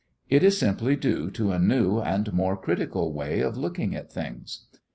It is simply due to a new and more critical way of looking at things.